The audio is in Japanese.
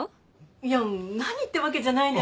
いや何ってわけじゃないんだけどね